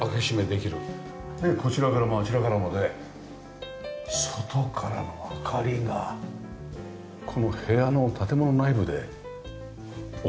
でこちらからもあちらからもね外からの明かりがこの部屋の建物内部で踊ってる感じよね。